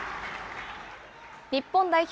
日本代表